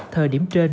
thời điểm trên